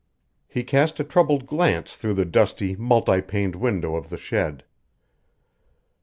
He cast a troubled glance through the dusty, multi paned window of the shed.